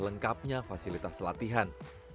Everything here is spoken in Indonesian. lengkapnya fasilitas latihan